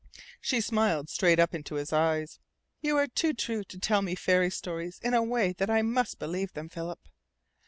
She smiled straight up into his eyes. "You are too true to tell me fairy stories in a way that I must believe them, Philip.